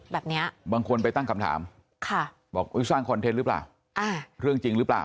แบบนี้บางคนไปตั้งคำถามบอกสร้างคอนเทนต์หรือเปล่าเรื่องจริงหรือเปล่า